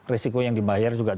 risiko yang dibayar